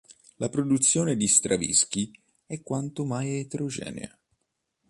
La produzione di Stravinskij è quanto mai eterogenea.